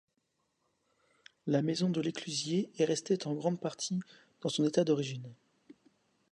La maison de l'éclusier est restée en grande partie dans son état d'origine.